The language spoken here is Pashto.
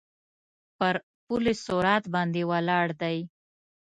پر پل صراط باندې ولاړ دی.